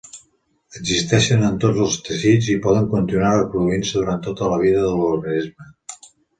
Existeixen en tots els teixits i poden continuar reproduint-se durant tota la vida de l'organisme.